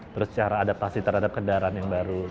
terus cara adaptasi terhadap kendaraan yang baru